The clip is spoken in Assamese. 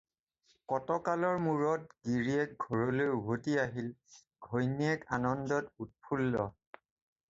কতকালৰ মূৰত গিৰীয়েক ঘৰলৈ উভতি আহিল, ঘৈণিয়েক আনন্দত উৎফুল্ল।